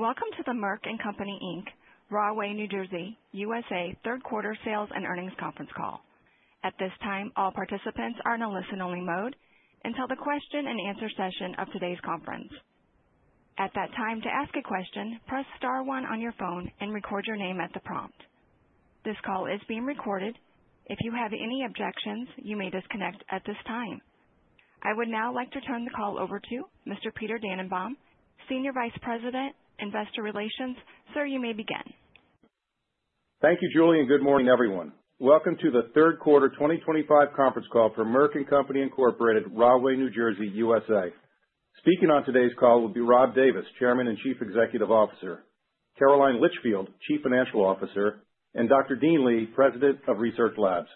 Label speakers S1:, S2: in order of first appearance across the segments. S1: Welcome to the Merck & Co., Inc., Rahway, New Jersey, U.S.A. Third Quarter Sales and Earnings Conference Call. At this time, all participants are in a listen-only mode until the question-and-answer session of today's conference. At that time, to ask a question, press star one on your phone and record your name at the prompt. This call is being recorded. If you have any objections, you may disconnect at this time. I would now like to turn the call over to Mr. Peter Dannenbaum, Senior Vice President, Investor Relations. Sir, you may begin.
S2: Thank you, Julie, and good morning, everyone. Welcome to the third quarter 2025 conference call for Merck & Company Incorporated, Rahway, New Jersey, USA. Speaking on today's call will be Rob Davis, Chairman and Chief Executive Officer, Caroline Litchfield, Chief Financial Officer, and Dr. Dean Li, President, Merck Research Laboratories.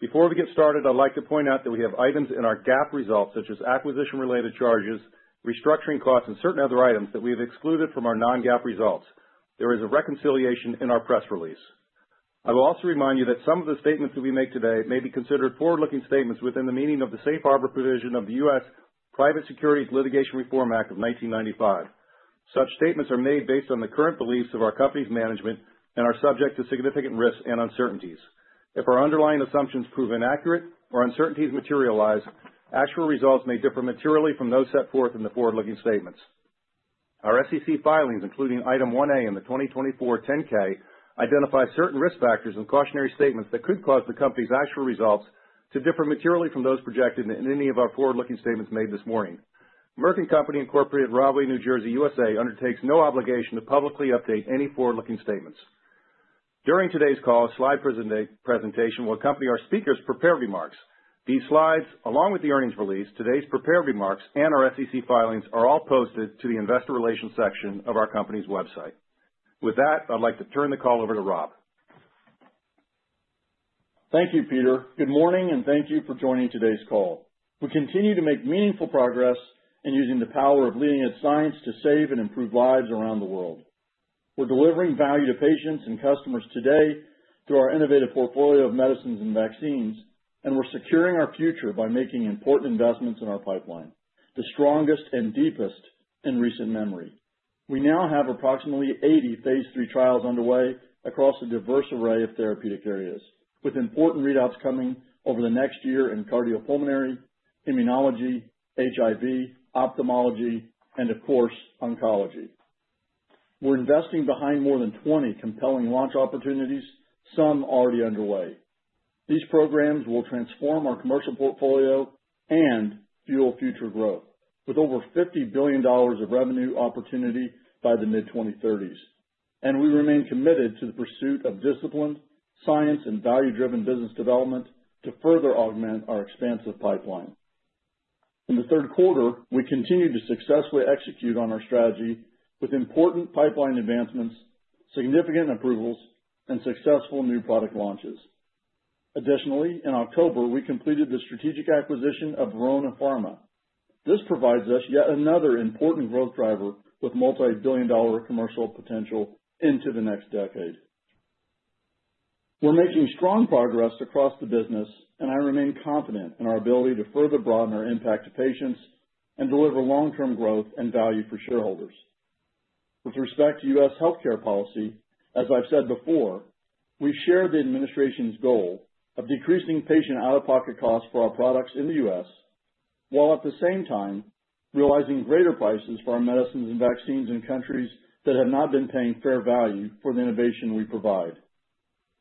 S2: Before we get started, I'd like to point out that we have items in our GAAP results, such as acquisition-related charges, restructuring costs, and certain other items that we have excluded from our non-GAAP results. There is a reconciliation in our press release. I will also remind you that some of the statements that we make today may be considered forward-looking statements within the meaning of the safe harbor provision of the U.S. Private Securities Litigation Reform Act of 1995. Such statements are made based on the current beliefs of our company's management and are subject to significant risks and uncertainties. If our underlying assumptions prove inaccurate or uncertainties materialize, actual results may differ materially from those set forth in the forward-looking statements. Our SEC filings, including Item 1A in the 2024 10-K, identify certain risk factors and cautionary statements that could cause the company's actual results to differ materially from those projected in any of our forward-looking statements made this morning. Merck & Co., Inc., Rahway, New Jersey, USA, undertakes no obligation to publicly update any forward-looking statements. During today's call, a slide presentation will accompany our speaker's prepared remarks. These slides, along with the earnings release, today's prepared remarks, and our SEC filings are all posted to the Investor Relations section of our company's website. With that, I'd like to turn the call over to Rob.
S3: Thank you, Peter. Good morning, and thank you for joining today's call. We continue to make meaningful progress in using the power of leading-edge science to save and improve lives around the world. We're delivering value to patients and customers today through our innovative portfolio of medicines and vaccines, and we're securing our future by making important investments in our pipeline, the strongest and deepest in recent memory. We now have approximately 80 phase III trials underway across a diverse array of therapeutic areas, with important readouts coming over the next year in cardiopulmonary, immunology, HIV, ophthalmology, and, of course, oncology. We're investing behind more than 20 compelling launch opportunities, some already underway. These programs will transform our commercial portfolio and fuel future growth, with over $50 billion of revenue opportunity by the mid-2030s. We remain committed to the pursuit of disciplined, science, and value-driven business development to further augment our expansive pipeline. In the third quarter, we continue to successfully execute on our strategy with important pipeline advancements, significant approvals, and successful new product launches. Additionally, in October, we completed the strategic acquisition of Verona Pharma. This provides us yet another important growth driver with multi-billion-dollar commercial potential into the next decade. We're making strong progress across the business, and I remain confident in our ability to further broaden our impact to patients and deliver long-term growth and value for shareholders. With respect to U.S. Healthcare policy, as I've said before, we share the administration's goal of decreasing patient out-of-pocket costs for our products in the U.S., while at the same time realizing greater prices for our medicines and vaccines in countries that have not been paying fair value for the innovation we provide.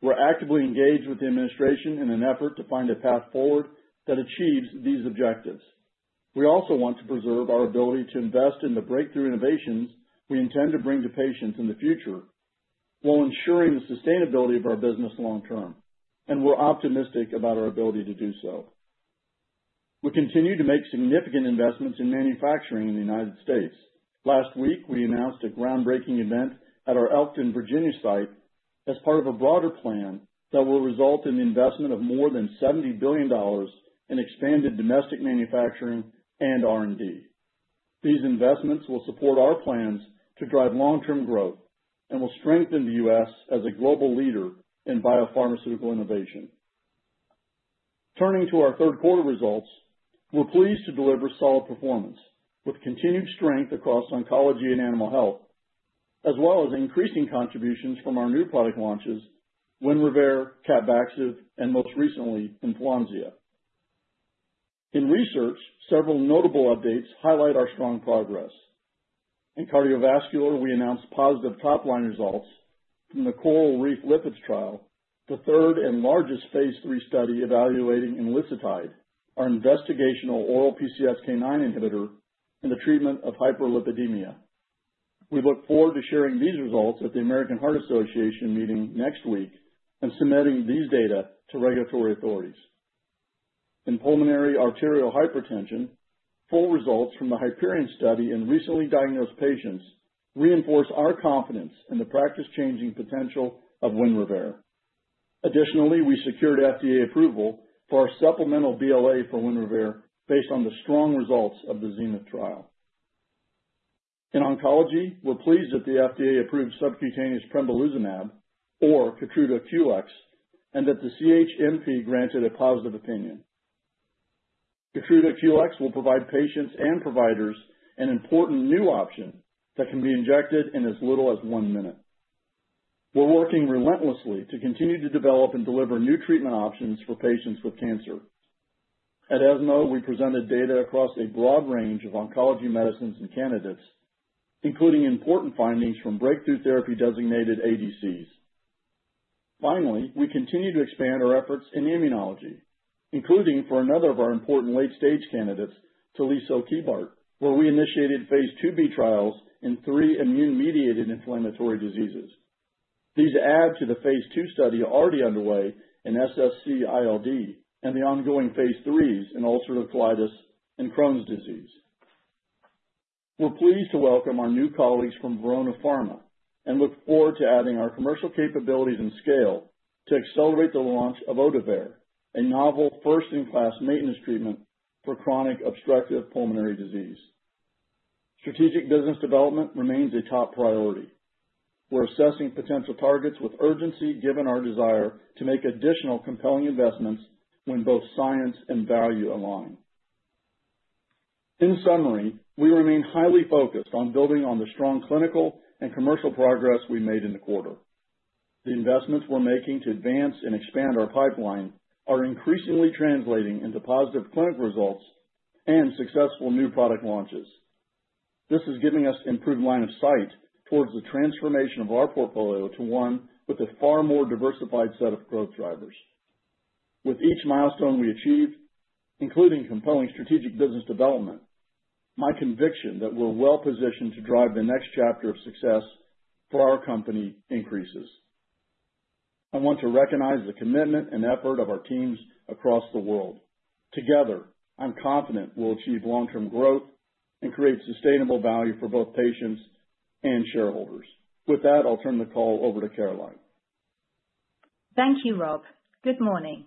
S3: We're actively engaged with the administration in an effort to find a path forward that achieves these objectives. We also want to preserve our ability to invest in the breakthrough innovations we intend to bring to patients in the future while ensuring the sustainability of our business long-term, and we're optimistic about our ability to do so. We continue to make significant investments in manufacturing in the United States. Last week, we announced a groundbreaking event at our Elkton, Virginia site as part of a broader plan that will result in the investment of more than $70 billion in expanded domestic manufacturing and R&D. These investments will support our plans to drive long-term growth and will strengthen the U.S. as a global leader in biopharmaceutical innovation. Turning to our third quarter results, we're pleased to deliver solid performance with continued strength across oncology and animal health, as well as increasing contributions from our new product launches: Winrevair, Capvaxive, and most recently, Enflonsia. In research, several notable updates highlight our strong progress. In cardiovascular, we announced positive top-line results from the CORALreef Lipids trial, the third and largest phase three study evaluating Enlicitide, our investigational oral PCSK9 inhibitor, and the treatment of hyperlipidemia. We look forward to sharing these results at the American Heart Association meeting next week and submitting these data to regulatory authorities. In pulmonary arterial hypertension, full results from the Hyperion study in recently diagnosed patients reinforce our confidence in the practice-changing potential of Winrevair. Additionally, we secured FDA approval for our supplemental BLA for Winrevair based on the strong results of the Zenith trial. In oncology, we're pleased that the FDA approved subcutaneous pembrolizumab, or KEYTRUDA QLEX, and that the CHMP granted a positive opinion. KEYTRUDA QLEX will provide patients and providers an important new option that can be injected in as little as one minute. We're working relentlessly to continue to develop and deliver new treatment options for patients with cancer. At ESMO, we presented data across a broad range of oncology medicines and candidates, including important findings from breakthrough therapy-designated ADCs. Finally, we continue to expand our efforts in immunology, including for another of our important late-stage candidates, tulisokibart, where we initiated phase II-b trials in three immune-mediated inflammatory diseases. These add to the phase II study already underway in SSc-ILD and the ongoing phase IIIs in ulcerative colitis and Crohn's disease. We're pleased to welcome our new colleagues from Verona Pharma and look forward to adding our commercial capabilities and scale to accelerate the launch of Ohtuvayre, a novel first-in-class maintenance treatment for chronic obstructive pulmonary disease. Strategic business development remains a top priority. We're assessing potential targets with urgency given our desire to make additional compelling investments when both science and value align. In summary, we remain highly focused on building on the strong clinical and commercial progress we made in the quarter. The investments we're making to advance and expand our pipeline are increasingly translating into positive clinical results and successful new product launches. This is giving us improved line of sight towards the transformation of our portfolio to one with a far more diversified set of growth drivers. With each milestone we achieve, including compelling strategic business development, my conviction that we're well-positioned to drive the next chapter of success for our company increases. I want to recognize the commitment and effort of our teams across the world. Together, I'm confident we'll achieve long-term growth and create sustainable value for both patients and shareholders. With that, I'll turn the call over to Caroline.
S4: Thank you, Rob. Good morning.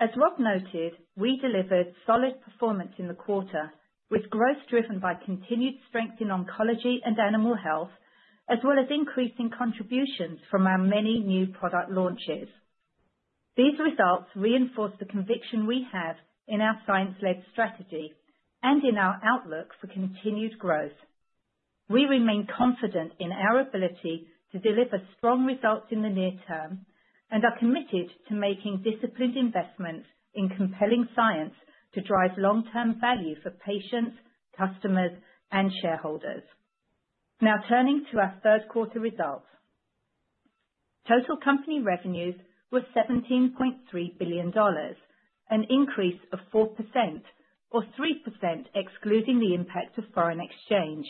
S4: As Rob noted, we delivered solid performance in the quarter, with growth driven by continued strength in oncology and animal health, as well as increasing contributions from our many new product launches. These results reinforce the conviction we have in our science-led strategy and in our outlook for continued growth. We remain confident in our ability to deliver strong results in the near term and are committed to making disciplined investments in compelling science to drive long-term value for patients, customers, and shareholders. Now turning to our third quarter results, total company revenues were $17.3 billion, an increase of 4% or 3% excluding the impact of foreign exchange.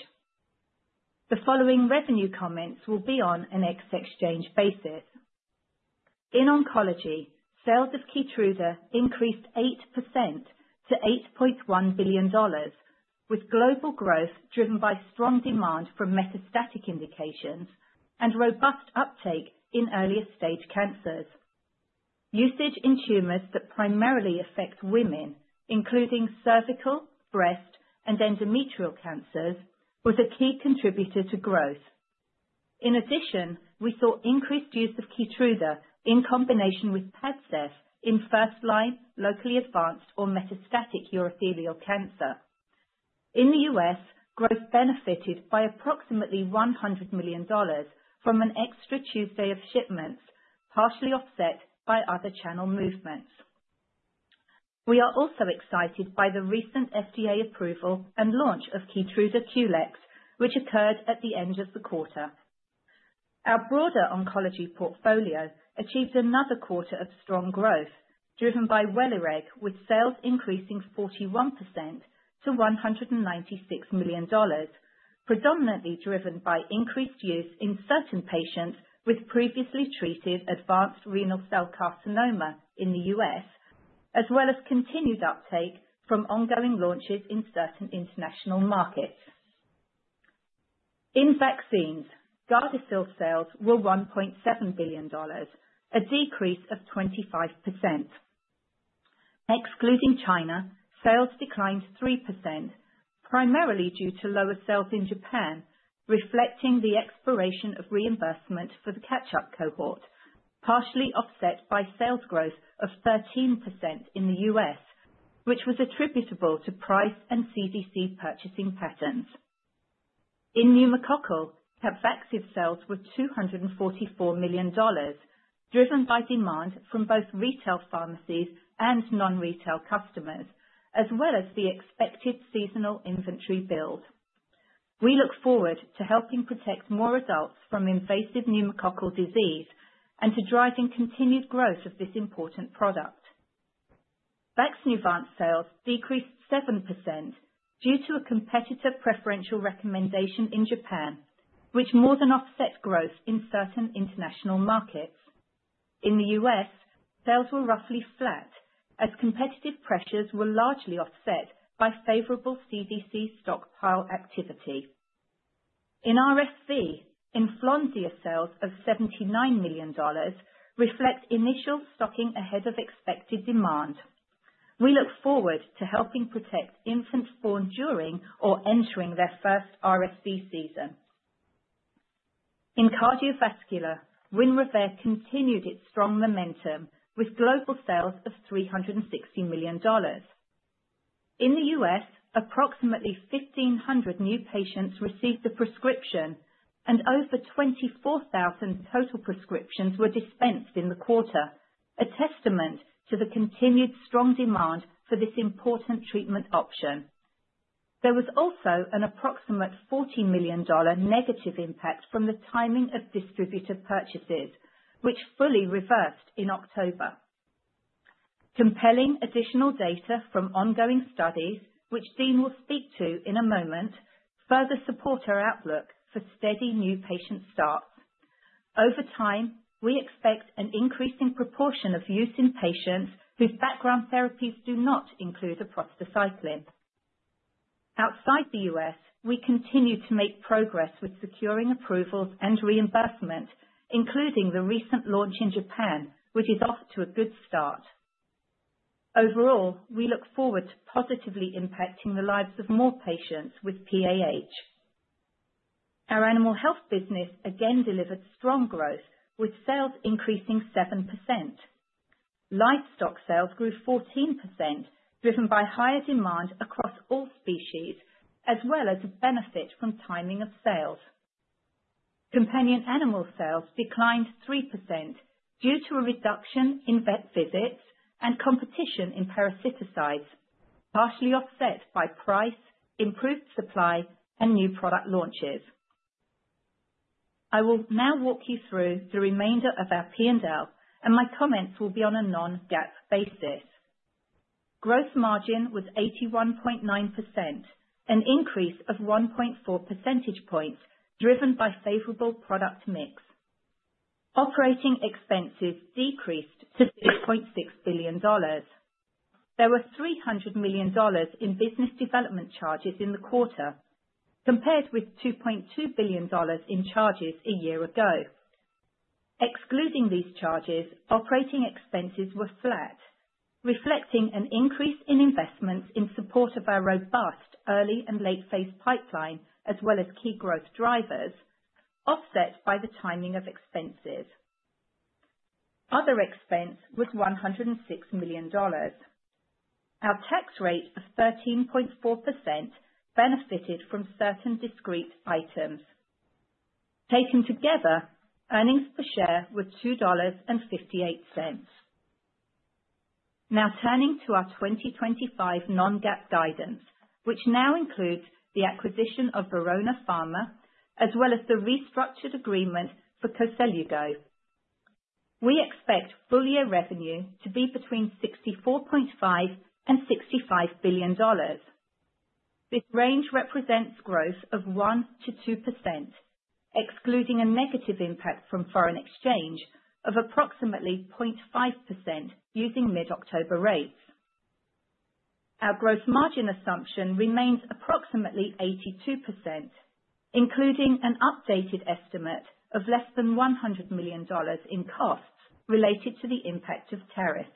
S4: The following revenue comments will be on an ex-FX basis. In oncology, sales of Keytruda increased 8% to $8.1 billion, with global growth driven by strong demand for metastatic indications and robust uptake in earlier stage cancers. Usage in tumors that primarily affect women, including cervical, breast, and endometrial cancers, was a key contributor to growth. In addition, we saw increased use of Keytruda in combination with Padcev in first-line, locally advanced, or metastatic urothelial cancer. In the U.S., growth benefited by approximately $100 million from an extra Tuesday of shipments, partially offset by other channel movements. We are also excited by the recent FDA approval and launch of KEYTRUDA QLEX, which occurred at the end of the quarter. Our broader oncology portfolio achieved another quarter of strong growth, driven by Welireg, with sales increasing 41% to $196 million, predominantly driven by increased use in certain patients with previously treated advanced renal cell carcinoma in the U.S., as well as continued uptake from ongoing launches in certain international markets. In vaccines, Gardasil sales were $1.7 billion, a decrease of 25%. Excluding China, sales declined 3%, primarily due to lower sales in Japan, reflecting the expiration of reimbursement for the catch-up cohort, partially offset by sales growth of 13% in the U.S., which was attributable to price and CDC purchasing patterns. In pneumococcal, Capvaxive sales were $244 million, driven by demand from both retail pharmacies and non-retail customers, as well as the expected seasonal inventory build. We look forward to helping protect more adults from invasive pneumococcal disease and to driving continued growth of this important product. Vaxneuvance sales decreased 7% due to a competitor preferential recommendation in Japan, which more than offset growth in certain international markets. In the U.S., sales were roughly flat, as competitive pressures were largely offset by favorable CDC stockpile activity. In RSV, Enflonsia sales of $79 million reflect initial stocking ahead of expected demand. We look forward to helping protect infants born during or entering their first RSV season. In cardiovascular, Winrevair continued its strong momentum with global sales of $360 million. In the U.S., approximately 1,500 new patients received a prescription, and over 24,000 total prescriptions were dispensed in the quarter, a testament to the continued strong demand for this important treatment option. There was also an approximate $40 million negative impact from the timing of distributive purchases, which fully reversed in October. Compelling additional data from ongoing studies, which Dean will speak to in a moment, further support our outlook for steady new patient starts. Over time, we expect an increasing proportion of use in patients whose background therapies do not include a prostacyclin. Outside the U.S., we continue to make progress with securing approvals and reimbursement, including the recent launch in Japan, which is off to a good start. Overall, we look forward to positively impacting the lives of more patients with PAH. Our animal health business again delivered strong growth, with sales increasing 7%. Livestock sales grew 14%, driven by higher demand across all species, as well as a benefit from timing of sales. Companion animal sales declined 3% due to a reduction in vet visits and competition in parasiticides, partially offset by price, improved supply, and new product launches. I will now walk you through the remainder of our P&L, and my comments will be on a non-GAAP basis. Gross margin was 81.9%, an increase of 1.4 percentage points driven by favorable product mix. Operating expenses decreased to $3.6 billion. There were $300 million in business development charges in the quarter, compared with $2.2 billion in charges a year ago. Excluding these charges, operating expenses were flat, reflecting an increase in investments in support of our robust early and late-phase pipeline, as well as key growth drivers, offset by the timing of expenses. Other expense was $106 million. Our tax rate of 13.4% benefited from certain discrete items. Taken together, earnings per share were $2.58. Now turning to our 2025 non-GAAP guidance, which now includes the acquisition of Verona Pharma, as well as the restructured agreement for Koselugo. We expect full-year revenue to be between $64.5-$65 billion. This range represents growth of 1%-2%, excluding a negative impact from foreign exchange of approximately 0.5% using mid-October rates. Our gross margin assumption remains approximately 82%, including an updated estimate of less than $100 million in costs related to the impact of tariffs.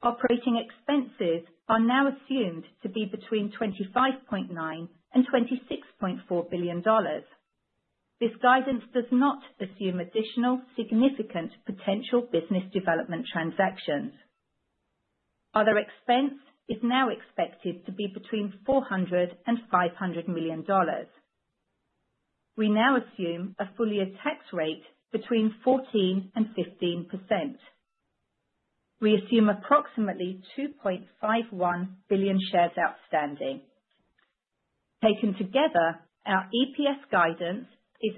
S4: Operating expenses are now assumed to be between $25.9-$26.4 billion. This guidance does not assume additional significant potential business development transactions. Other expense is now expected to be between $400 and $500 million. We now assume a full-year tax rate between 14% and 15%. We assume approximately $2.51 billion shares outstanding. Taken together, our EPS guidance is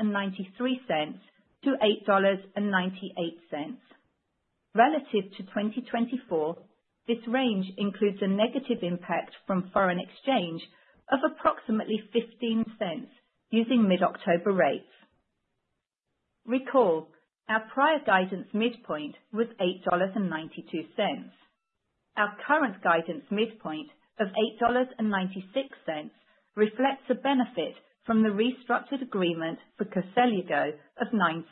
S4: $8.93 to $8.98. Relative to 2024, this range includes a negative impact from foreign exchange of approximately $0.15 using mid-October rates. Recall, our prior guidance midpoint was $8.92. Our current guidance midpoint of $8.96 reflects a benefit from the restructured agreement for Koselugo of $0.09,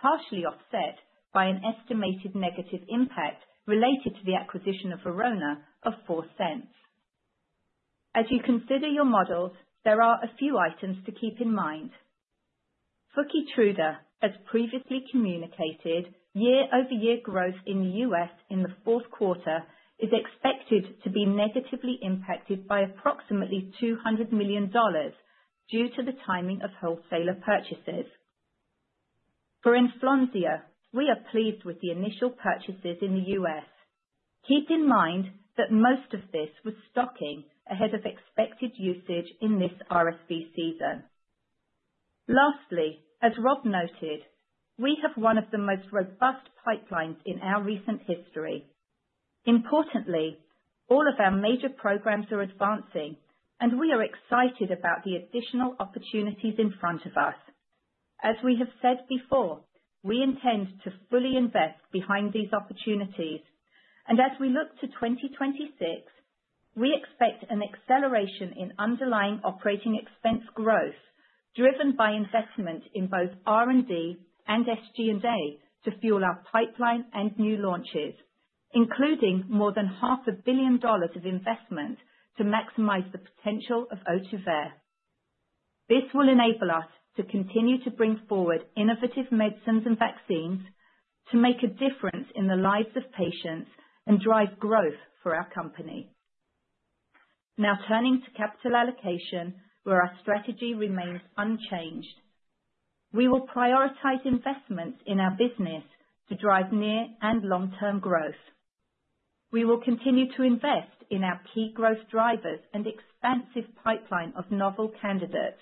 S4: partially offset by an estimated negative impact related to the acquisition of Verona of $0.04. As you consider your models, there are a few items to keep in mind. For Keytruda, as previously communicated, year-over-year growth in the U.S. In the fourth quarter is expected to be negatively impacted by approximately $200 million due to the timing of wholesaler purchases. For Enflonsia, we are pleased with the initial purchases in the U.S. Keep in mind that most of this was stocking ahead of expected usage in this RSV season. Lastly, as Rob noted, we have one of the most robust pipelines in our recent history. Importantly, all of our major programs are advancing, and we are excited about the additional opportunities in front of us. As we have said before, we intend to fully invest behind these opportunities. And as we look to 2026, we expect an acceleration in underlying operating expense growth, driven by investment in both R&D and SG&A to fuel our pipeline and new launches, including more than $500 million of investment to maximize the potential of Ohtuvayre. This will enable us to continue to bring forward innovative medicines and vaccines to make a difference in the lives of patients and drive growth for our company. Now turning to capital allocation, where our strategy remains unchanged. We will prioritize investments in our business to drive near and long-term growth. We will continue to invest in our key growth drivers and expansive pipeline of novel candidates,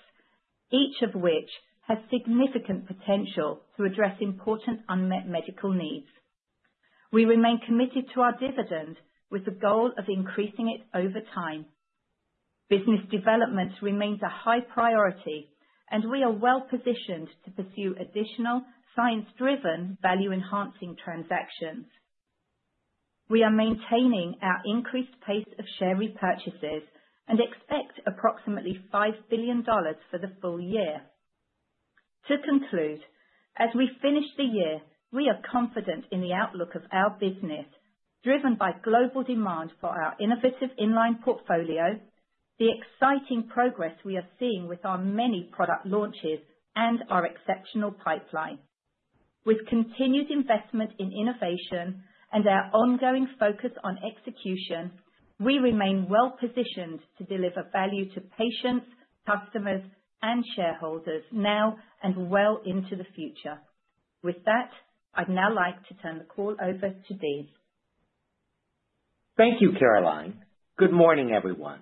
S4: each of which has significant potential to address important unmet medical needs. We remain committed to our dividend, with the goal of increasing it over time. Business development remains a high priority, and we are well-positioned to pursue additional science-driven value-enhancing transactions. We are maintaining our increased pace of share repurchases and expect approximately $5 billion for the full year. To conclude, as we finish the year, we are confident in the outlook of our business, driven by global demand for our innovative inline portfolio, the exciting progress we are seeing with our many product launches, and our exceptional pipeline. With continued investment in innovation and our ongoing focus on execution, we remain well-positioned to deliver value to patients, customers, and shareholders now and well into the future. With that, I'd now like to turn the call over to Dean.
S5: Thank you, Caroline. Good morning, everyone.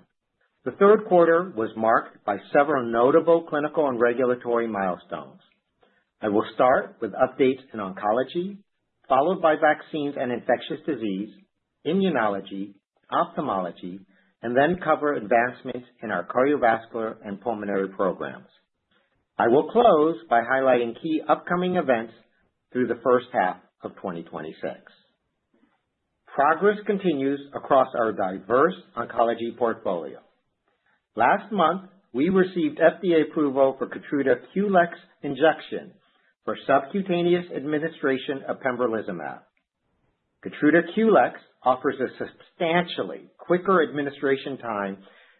S5: The third quarter was marked by several notable clinical and regulatory milestones. I will start with updates in oncology, followed by vaccines and infectious disease, immunology, ophthalmology, and then cover advancements in our cardiovascular and pulmonary programs. I will close by highlighting key upcoming events through the first half of 2026. Progress continues across our diverse oncology portfolio. Last month, we received FDA approval for KEYTRUDA QLEX injection for subcutaneous administration of pembrolizumab. KEYTRUDA QLEX offers a substantially quicker administration time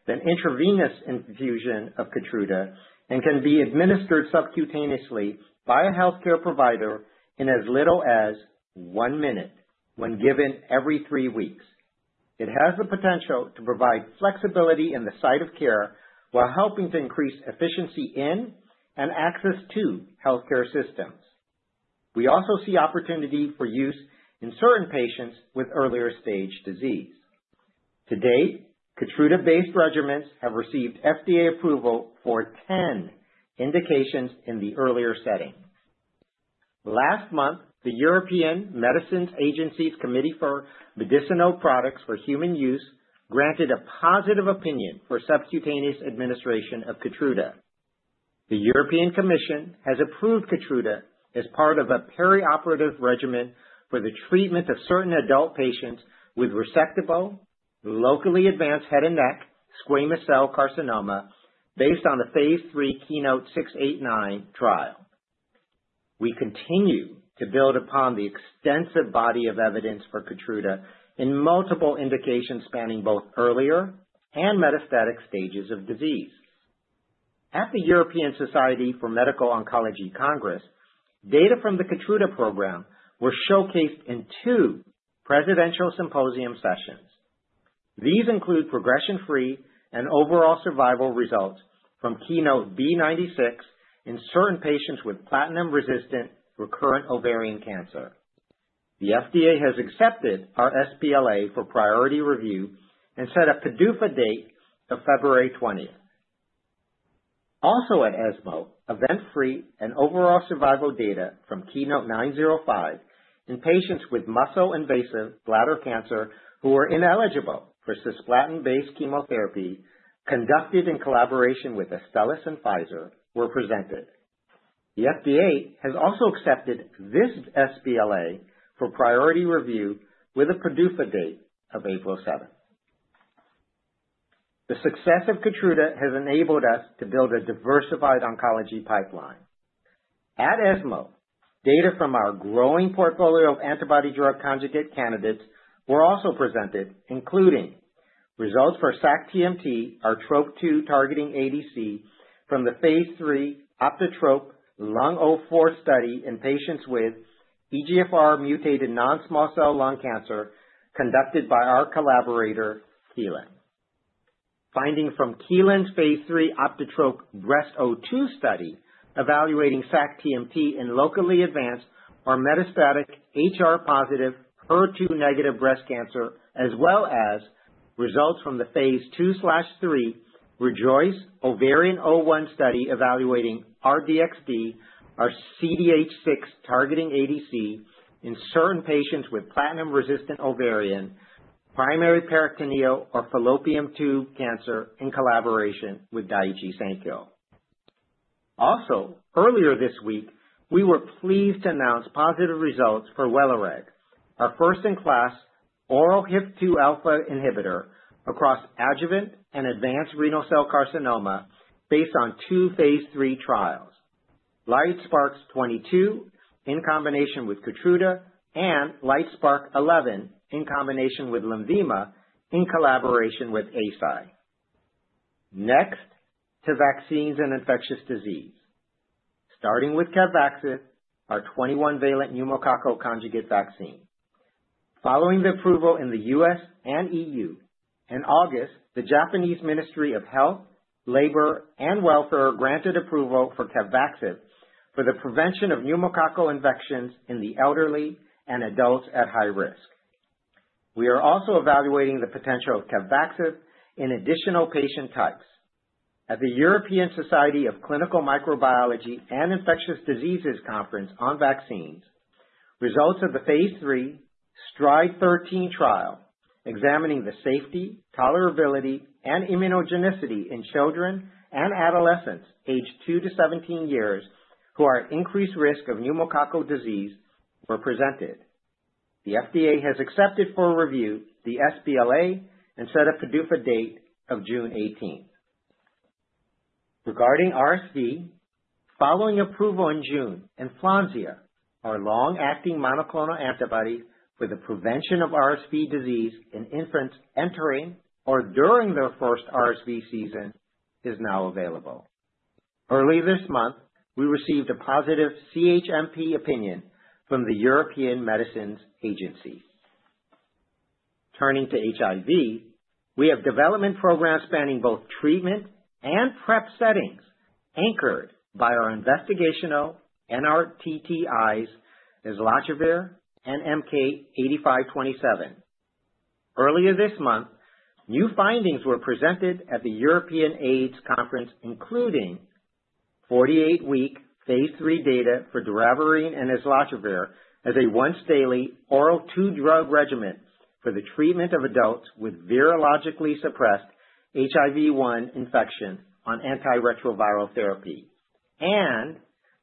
S5: than intravenous infusion of Keytruda and can be administered subcutaneously by a healthcare provider in as little as one minute when given every three weeks. It has the potential to provide flexibility in the site of care while helping to increase efficiency in and access to healthcare systems. We also see opportunity for use in certain patients with earlier stage disease. To date, Keytruda-based regimens have received FDA approval for 10 indications in the earlier setting. Last month, the European Medicines Agency's Committee for Medicinal Products for Human Use granted a positive opinion for subcutaneous administration of Keytruda. The European Commission has approved Keytruda as part of a perioperative regimen for the treatment of certain adult patients with resectable, locally advanced head and neck squamous cell carcinoma based on the phase III KEYNOTE-689 trial. We continue to build upon the extensive body of evidence for Keytruda in multiple indications spanning both earlier and metastatic stages of disease. At the European Society for Medical Oncology Congress, data from the Keytruda program were showcased in two presidential symposium sessions. These include progression-free and overall survival results from KEYOTE-B96 in certain patients with platinum-resistant recurrent ovarian cancer. The FDA has accepted our sBLA for priority review and set a PDUFA date of February 20. Also at ESMO, event-free and overall survival data from KEYNOTE-905 in patients with muscle-invasive bladder cancer who were ineligible for cisplatin-based chemotherapy conducted in collaboration with Astellas and Pfizer were presented. The FDA has also accepted this sBLA for priority review with a PDUFA date of April 7. The success of Keytruda has enabled us to build a diversified oncology pipeline. At ESMO, data from our growing portfolio of antibody-drug conjugate candidates were also presented, including results for Sac-TMT, our TROP2 targeting ADC, from the phase III OptiTROP-Lung04 study in patients with EGFR-mutated non-small cell lung cancer conducted by our collaborator, Kelun. Findings from Kelun's phase III OptiTROP-Breast02 study evaluating Sac-TMT in locally advanced or metastatic HR-positive HER2-negative breast cancer, as well as results from the phase II/III REJOICE-Ovarian01 study evaluating R-DXd, our CDH6 targeting ADC in certain patients with platinum-resistant ovarian, primary peritoneal or fallopian tube cancer in collaboration with Daiichi Sankyo. Also, earlier this week, we were pleased to announce positive results for Welireg, our first-in-class oral HIF-2 alpha inhibitor across adjuvant and advanced renal cell carcinoma based on two phase III trials: LITESPARK-022 in combination with Keytruda and LITESPARK-011 in combination with Lenvima in collaboration with Eisai. Next, to vaccines and infectious disease. Starting with Capvaxive, our 21-valent pneumococcal conjugate vaccine. Following the approval in the U.S. and EU, in August, the Japanese Ministry of Health, Labor, and Welfare granted approval for Capvaxive for the prevention of pneumococcal infections in the elderly and adults at high risk. We are also evaluating the potential of Capvaxive in additional patient types. At the European Society of Clinical Microbiology and Infectious Diseases Conference on vaccines, results of the phase III STRIDE-13 trial examining the safety, tolerability, and immunogenicity in children and adolescents aged two to 17 years who are at increased risk of pneumococcal disease were presented. The FDA has accepted for review the sBLA and set a PDUFA date of June 18. Regarding RSV, following approval in June, Enflonsia, our long-acting monoclonal antibody for the prevention of RSV disease in infants entering or during their first RSV season, is now available. Early this month, we received a positive CHMP opinion from the European Medicines Agency. Turning to HIV, we have development programs spanning both treatment and PrEP settings anchored by our investigational NRTTIs islatravir and MK-8527. Earlier this month, new findings were presented at the European AIDS Conference, including 48-week phase III data for doravirine and islatravir as a once-daily oral two-drug regimen for the treatment of adults with virologically suppressed HIV-1 infection on antiretroviral therapy, and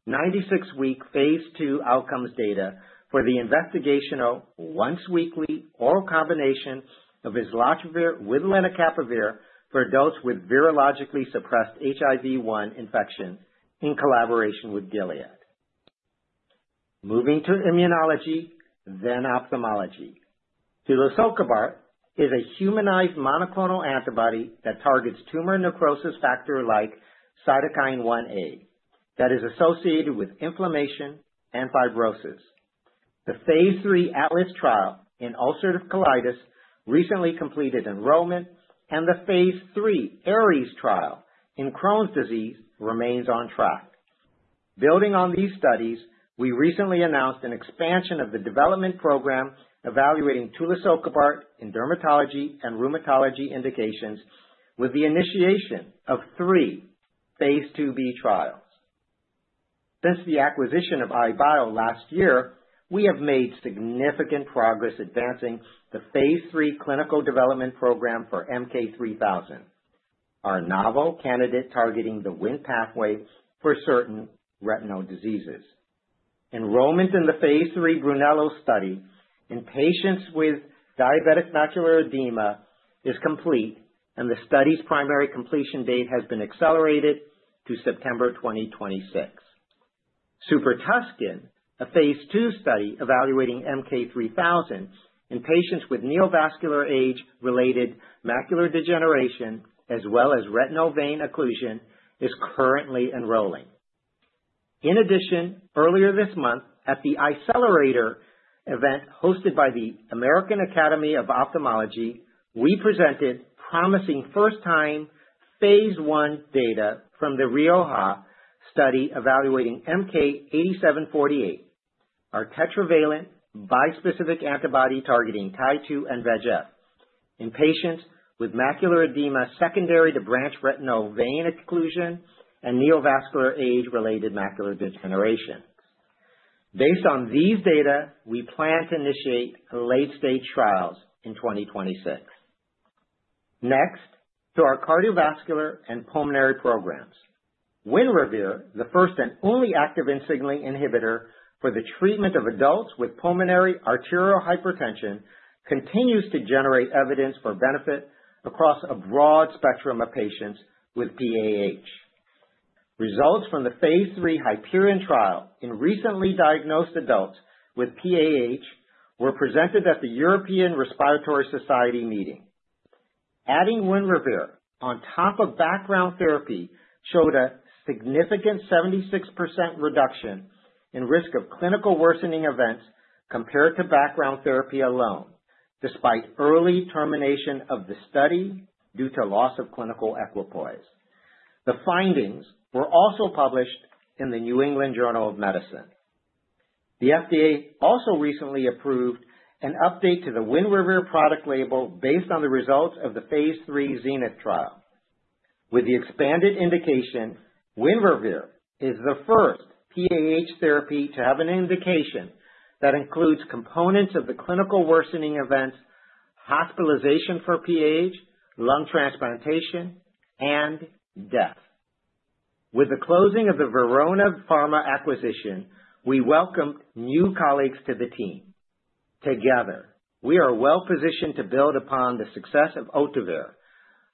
S5: 96-week phase II outcomes data for the investigational once-weekly oral combination of islatravir with lenacapavir for adults with virologically suppressed HIV-1 infection in collaboration with Gilead. Moving to immunology, then ophthalmology. Tulisokibart is a humanized monoclonal antibody that targets tumor necrosis factor-like Cytokine 1A that is associated with inflammation and fibrosis. The phase III ARTEMIS trial in ulcerative colitis recently completed enrollment, and the phase III ARES trial in Crohn's disease remains on track. Building on these studies, we recently announced an expansion of the development program evaluating tulisokibart in dermatology and rheumatology indications with the initiation of three phase II-b trials. Since the acquisition of EyeBio last year, we have made significant progress advancing the phase III clinical development program for MK-3000, our novel candidate targeting the Wnt pathway for certain retinal diseases. Enrollment in the phase III Brunello study in patients with diabetic macular edema is complete, and the study's primary completion date has been accelerated to September 2026. Super Tuscan, a phase II study evaluating MK-3000 in patients with neovascular age-related macular degeneration as well as retinal vein occlusion, is currently enrolling. In addition, earlier this month, at the Eyecelerator event hosted by the American Academy of Ophthalmology, we presented promising first-time phase I data from the Rioja study evaluating MK-8748, our tetravalent bispecific antibody targeting Tie2 and VEGF in patients with macular edema secondary to branch retinal vein occlusion and neovascular age-related macular degeneration. Based on these data, we plan to initiate late-stage trials in 2026. Next, to our cardiovascular and pulmonary programs. Winrevair, the first and only activin signaling inhibitor for the treatment of adults with pulmonary arterial hypertension, continues to generate evidence for benefit across a broad spectrum of patients with PAH. Results from the phase III Hyperion trial in recently diagnosed adults with PAH were presented at the European Respiratory Society meeting. Adding Winrevair on top of background therapy showed a significant 76% reduction in risk of clinical worsening events compared to background therapy alone, despite early termination of the study due to loss of clinical equipoise. The findings were also published in the New England Journal of Medicine. The FDA also recently approved an update to the Winrevair product label based on the results of the phase III ZENITH trial, with the expanded indication. Winrevair is the first PAH therapy to have an indication that includes components of the clinical worsening events, hospitalization for PAH, lung transplantation, and death. With the closing of the Verona Pharma acquisition, we welcomed new colleagues to the team. Together, we are well-positioned to build upon the success of Ohtuvayre,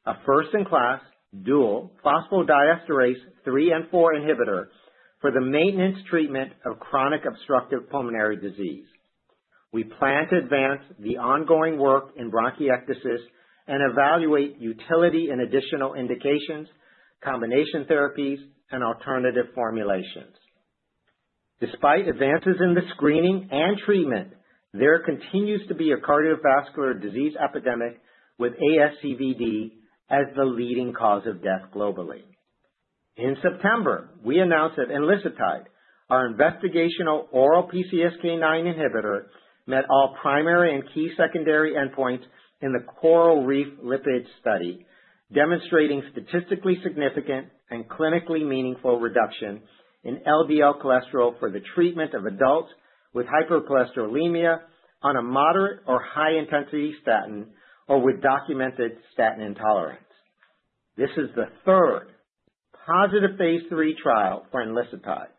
S5: a first-in-class dual phosphodiesterase III and IV inhibitor for the maintenance treatment of chronic obstructive pulmonary disease. We plan to advance the ongoing work in bronchiectasis and evaluate utility in additional indications, combination therapies, and alternative formulations. Despite advances in the screening and treatment, there continues to be a cardiovascular disease epidemic with ASCVD as the leading cause of death globally. In September, we announced that Enlicitide, our investigational oral PCSK9 inhibitor, met all primary and key secondary endpoints in the CORALreef Lipid study, demonstrating statistically significant and clinically meaningful reduction in LDL cholesterol for the treatment of adults with hypercholesterolemia on a moderate or high-intensity statin or with documented statin intolerance. This is the third positive phase III trial for Enlicitide.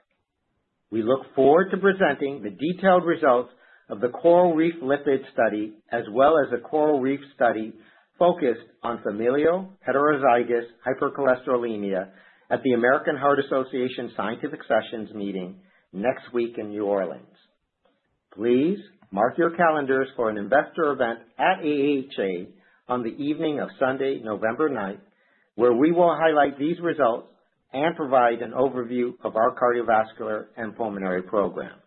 S5: We look forward to presenting the detailed results of the CORALreef Lipid study, as well as a CORALreef study focused on familial heterozygous hypercholesterolemia at the American Heart Association Scientific Sessions meeting next week in New Orleans. Please mark your calendars for an investor event at AHA on the evening of Sunday, November 9, where we will highlight these results and provide an overview of our cardiovascular and pulmonary program.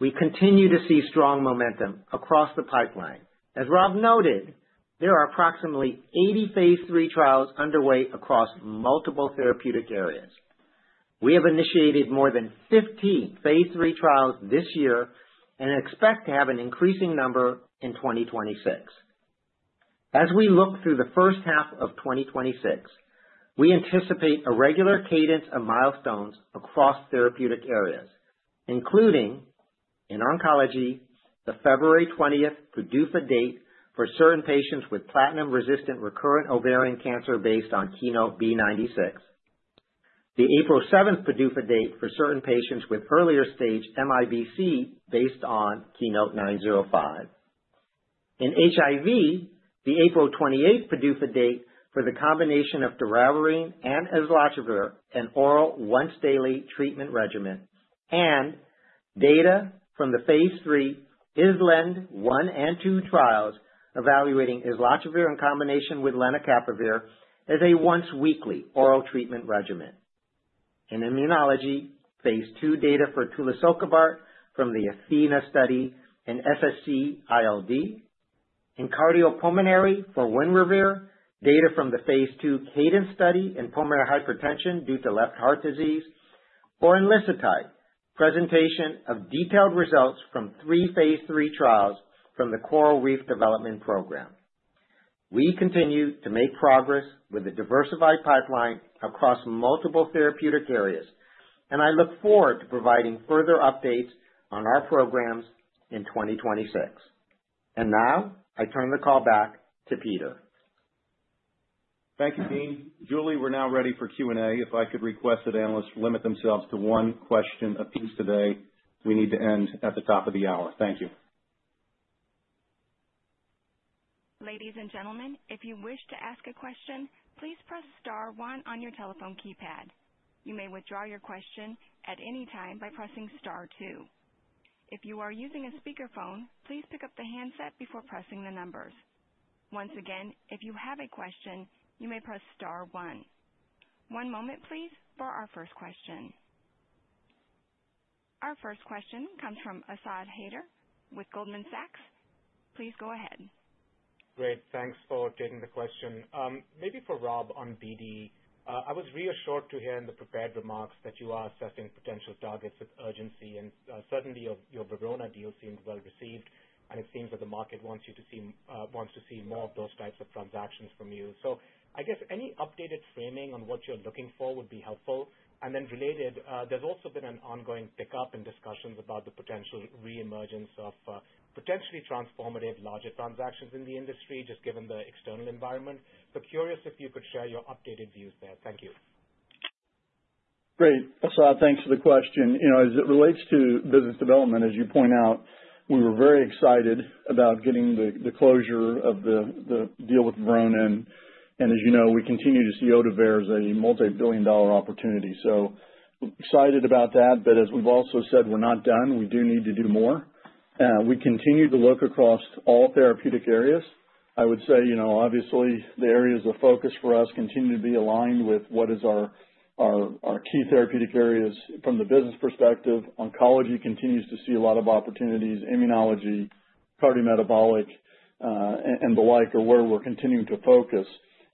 S5: We continue to see strong momentum across the pipeline. As Rob noted, there are approximately 80 phase III trials underway across multiple therapeutic areas. We have initiated more than 15 phase III trials this year and expect to have an increasing number in 2026. As we look through the first half of 2026, we anticipate a regular CADENCE of milestones across therapeutic areas, including in oncology, the February 20 PDUFA date for certain patients with platinum-resistant recurrent ovarian cancer based on KEYNOTE-B96, the April 7 PDUFA date for certain patients with earlier stage MIBC based on KEYNOTE-905. In HIV, the April 28 PDUFA date for the combination of doravirine and islatravir and oral once-daily treatment regimen, and data from the phase III ISLEND I and II trials evaluating islatravir in combination with lenacapavir as a once-weekly oral treatment regimen. In immunology, phase II data for tulisokibart from the ATHENA study in SSc-ILD, in cardiopulmonary for Winrevair, data from the phase II CADENCE study in pulmonary hypertension due to left heart disease, or Enlicitide, presentation of detailed results from three phase III trials from the CORALreef development program. We continue to make progress with the diversified pipeline across multiple therapeutic areas, and I look forward to providing further updates on our programs in 2026. And now, I turn the call back to Peter.
S2: Thank you, Dean. Julie, we're now ready for Q&A. If I could request that analysts limit themselves to one question apiece today, we need to end at the top of the hour. Thank you.
S1: Ladies and gentlemen, if you wish to ask a question, please press Star 1 on your telephone keypad. You may withdraw your question at any time by pressing Star 2. If you are using a speakerphone, please pick up the handset before pressing the numbers. Once again, if you have a question, you may press Star 1. One moment, please, for our first question. Our first question comes from Asad Haider with Goldman Sachs. Please go ahead.
S6: Great. Thanks for taking the question. Maybe for Rob on BD. I was reassured to hear in the prepared remarks that you are assessing potential targets with urgency, and certainly your Verona deal seemed well received, and it seems that the market wants to see more of those types of transactions from you. So I guess any updated framing on what you're looking for would be helpful. And then related, there's also been an ongoing pickup in discussions about the potential reemergence of potentially transformative larger transactions in the industry, just given the external environment. So curious if you could share your updated views there. Thank you.
S3: Great. Asad, thanks for the question. As it relates to business development, as you point out, we were very excited about getting the closing of the deal with Verona, and as you know, we continue to see Ohtuvayre as a multi-billion dollar opportunity. So excited about that, but as we've also said, we're not done. We do need to do more. We continue to look across all therapeutic areas. I would say, obviously, the areas of focus for us continue to be aligned with what are our key therapeutic areas from the business perspective. Oncology continues to see a lot of opportunities. Immunology, cardiometabolic, and the like are where we're continuing to focus.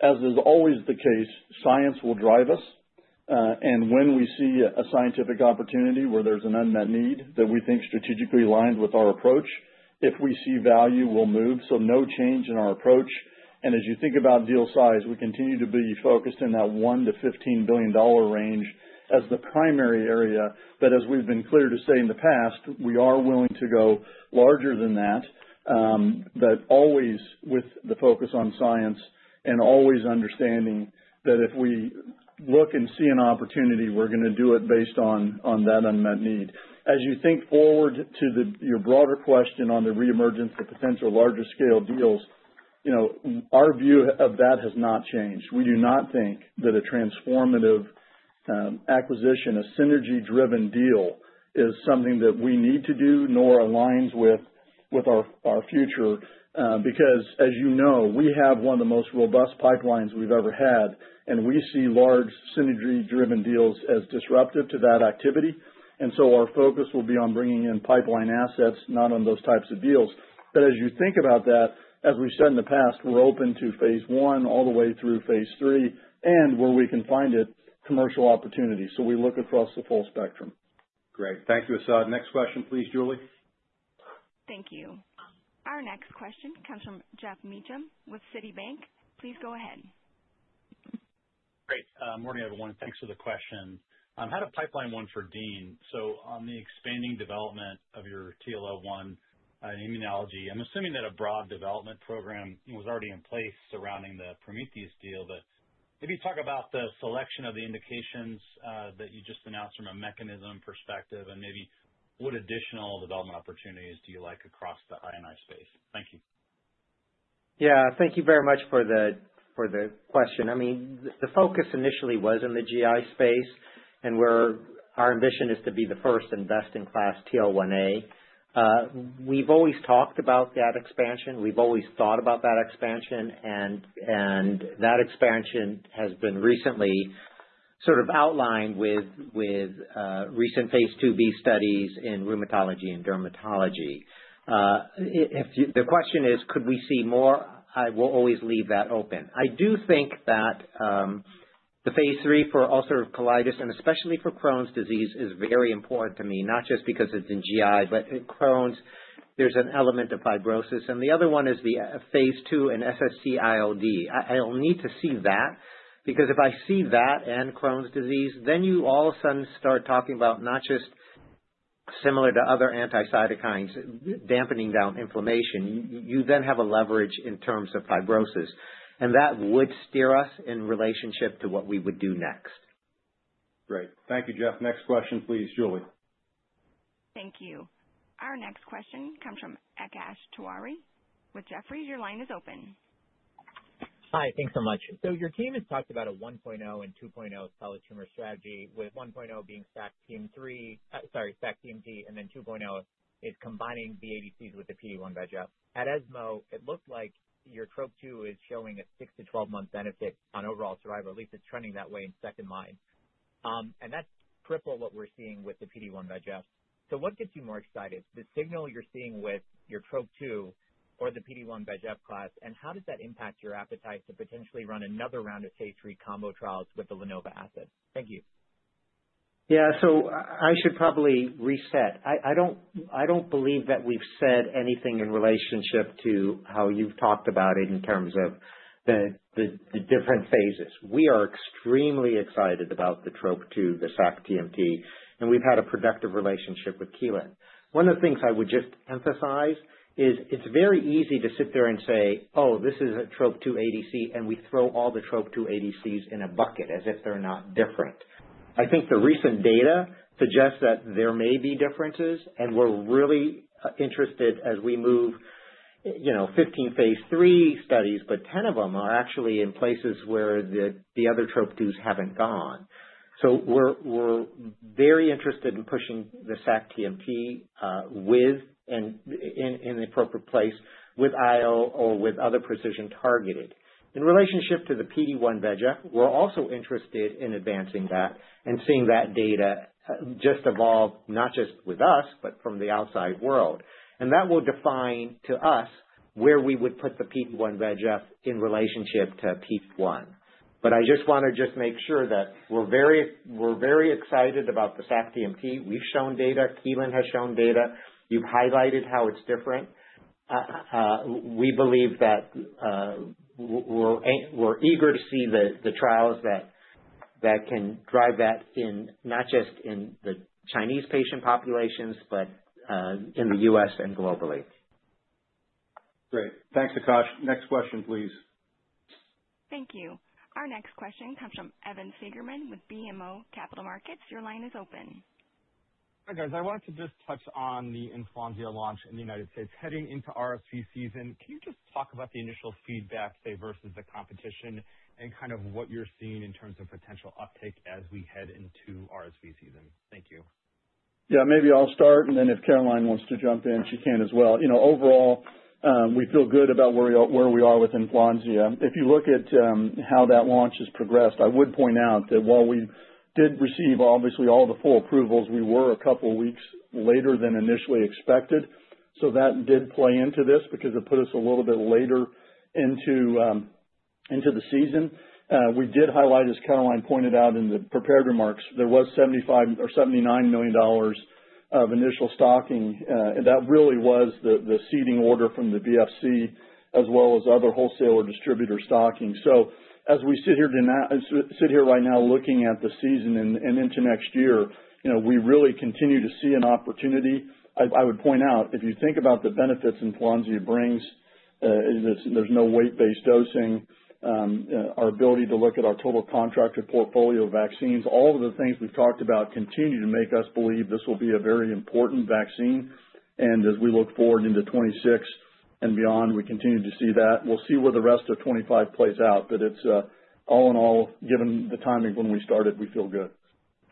S3: As is always the case, science will drive us, and when we see a scientific opportunity where there's an unmet need that we think strategically aligned with our approach, if we see value, we'll move. So no change in our approach. And as you think about deal size, we continue to be focused in that $1 billion-$15 billion range as the primary area, but as we've been clear to say in the past, we are willing to go larger than that, but always with the focus on science and always understanding that if we look and see an opportunity, we're going to do it based on that unmet need. As you think forward to your broader question on the reemergence of potential larger scale deals, our view of that has not changed. We do not think that a transformative acquisition, a synergy-driven deal is something that we need to do, nor aligns with our future, because, as you know, we have one of the most robust pipelines we've ever had, and we see large synergy-driven deals as disruptive to that activity. And so our focus will be on bringing in pipeline assets, not on those types of deals. But as you think about that, as we've said in the past, we're open to phase I all the way through phase III, and where we can find it, commercial opportunity. So we look across the full spectrum.
S2: Great. Thank you, Asad. Next question, please, Julie.
S1: Thank you. Our next question comes from Jeff Mitchell with Citibank. Please go ahead.
S7: Great. Good morning, everyone. Thanks for the question. I've had a pipeline one for Dean. So on the expanding development of your TL1A immunology, I'm assuming that a broad development program was already in place surrounding the Prometheus deal, but maybe talk about the selection of the indications that you just announced from a mechanism perspective, and maybe what additional development opportunities do you like across the IBD space? Thank you.
S5: Yeah. Thank you very much for the question. I mean, the focus initially was in the GI space, and our ambition is to be the first and best-in-class TL1A. We've always talked about that expansion. We've always thought about that expansion, and that expansion has been recently sort of outlined with recent phase II-b studies in rheumatology and dermatology. The question is, could we see more? I will always leave that open. I do think that the phase III for ulcerative colitis, and especially for Crohn's disease, is very important to me, not just because it's in GI, but in Crohn's, there's an element of fibrosis. And the other one is the phase II and SSc-ILD. I'll need to see that, because if I see that and Crohn's disease, then you all of a sudden start talking about not just similar to other anti-cytokines, dampening down inflammation. You then have a leverage in terms of fibrosis, and that would steer us in relationship to what we would do next.
S2: Great. Thank you, Jeff. Next question, please, Julie.
S1: Thank you. Our next question comes from Akash Tewari with Jefferies. Your line is open.
S8: Hi. Thanks so much. So your team has talked about a 1.0 and 2.0 solid tumor strategy, with 1.0 being Stack Team 3, sorry, Sac-TMT and then 2.0 is combining the ADCs with the PD-1 VEGF. At ESMO, it looks like your TROP2 is showing a 6-12-month benefit on overall survival. At least it's trending that way in second line. And that's triple what we're seeing with the PD-1 VEGF. So what gets you more excited? The signal you're seeing with your TROP2 or the PD-1 VEGF class, and how does that impact your appetite to potentially run another round of phase III combo trials with the Lenvima asset?
S5: Thank you. Yeah. So I should probably reset. I don't believe that we've said anything in relationship to how you've talked about it in terms of the different phases. We are extremely excited about the TROP2, the Sac-TMT, and we've had a productive relationship with Kelun. One of the things I would just emphasize is it's very easy to sit there and say, "Oh, this is a TROP2 ADC," and we throw all the TROP2 ADCs in a bucket as if they're not different. I think the recent data suggests that there may be differences, and we're really interested as we move 15 phase III studies, but 10 of them are actually in places where the other TROP2s haven't gone. So we're very interested in pushing the Sac-TMT in the appropriate place with IO or with other precision targeted. In relationship to the PD-1 VEGF, we're also interested in advancing that and seeing that data just evolve, not just with us, but from the outside world. And that will define to us where we would put the PD-1 VEGF in relationship to PD-1. But I just want to just make sure that we're very excited about the Sac-TMT. We've shown data. Kelun has shown data. You've highlighted how it's different. We believe that we're eager to see the trials that can drive that in not just in the Chinese patient populations, but in the U.S. and globally.
S2: Great. Thanks, Akash. Next question, please.
S1: Thank you. Our next question comes from Evan Seigerman with BMO Capital Markets. Your line is open.
S9: Hi, guys. I wanted to just touch on the Enflonsia launch in the United States. Heading into RSV season, can you just talk about the initial feedback, say, versus the competition, and kind of what you're seeing in terms of potential uptake as we head into RSV season? Thank you.
S3: Yeah. Maybe I'll start, and then if Caroline wants to jump in, she can as well. Overall, we feel good about where we are with Enflonsia. If you look at how that launch has progressed, I would point out that while we did receive, obviously, all the full approvals, we were a couple of weeks later than initially expected. So that did play into this because it put us a little bit later into the season. We did highlight, as Caroline pointed out in the prepared remarks, there was $75 million or $79 million of initial stocking, and that really was the seeding order from the VFC as well as other wholesaler distributor stocking. So as we sit here right now looking at the season and into next year, we really continue to see an opportunity. I would point out, if you think about the benefits Enflonsia brings, there's no weight-based dosing, our ability to look at our total contracted portfolio of vaccines. All of the things we've talked about continue to make us believe this will be a very important vaccine. And as we look forward into 2026 and beyond, we continue to see that. We'll see where the rest of 2025 plays out, but all in all, given the timing when we started, we feel good.